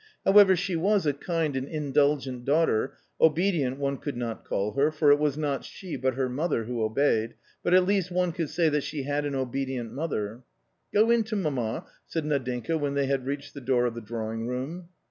However, she was a kind and indulgent daughter — obedient one could not call her, for it was not she, but her mother, who obeyed; but at least one could say that she had an obedient mother. " Go in to mamma," said Nadinka, when they had reached the door of the drawing room.